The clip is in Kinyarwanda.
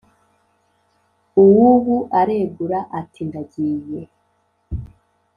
Uw' ubu aregura ati "ndagiye",